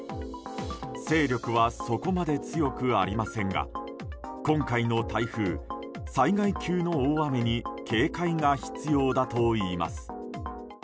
勢力はそこまで強くありませんが今回の台風、災害級の大雨に警戒が必要だといいます。